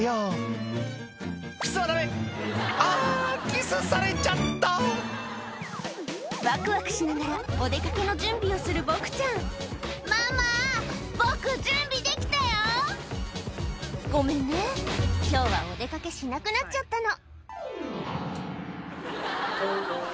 「あぁキスされちゃった！」ワクワクしながらお出かけの準備をするボクちゃん「ママ僕準備できたよ！」「ごめんね今日はお出かけしなくなっちゃったの」